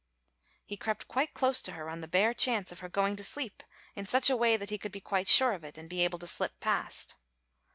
He crept quite close to her on the bare chance of her going to sleep in such a way that he could be quite sure of it and be able to slip past.